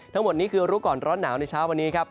ทั้งหมดนี้คือรู้ก่อนร้อนหนาวในเช้าวันนี้ครับ